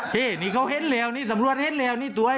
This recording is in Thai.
เฮ้ยนี่เขาเห้นแล้วนี่สำหรับเห็นแล้วนี่ตัวอ่ะ